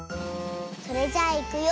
それじゃあいくよ。